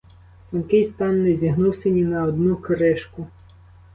Тонкий стан не зігнувся ні на одну кришку.